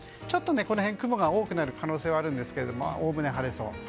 ちょっとこの辺、雲が多くなる可能性はあるんですがおおむね晴れそう。